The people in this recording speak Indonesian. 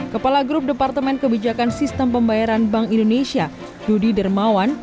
kepala grup departemen kebijakan sistem pembayaran bank indonesia dudi dermawan